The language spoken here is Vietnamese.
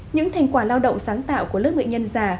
những thành quả lao động sáng tạo của lớp nghệ nhân già